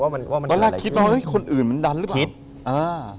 พอล่ะคิดมั้งคนอื่นมันดันหรือเปล่าอ๋อ